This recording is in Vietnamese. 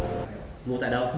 ngô tại đâu